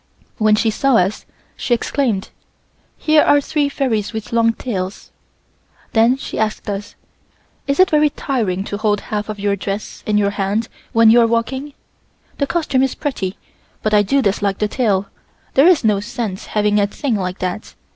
When she saw us she exclaimed: "Here are three fairies with long tails." Then she asked us: "Is it very tiring to hold half of your dress in your hand when you are walking? The costume is pretty, but I do dislike the tail, there is no sense having a thing like that.